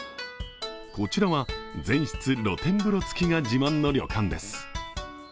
こちらは全室露天風呂付きが自慢の旅館です。